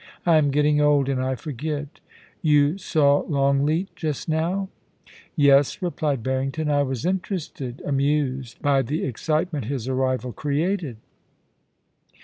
* I am getting old, and I forget ... You saw Longleat just now ?'* Yes,' replied Harrington ;* I was interested, amused, by the excitement his arrival created.'